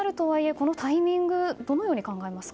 このタイミングをどう考えますか？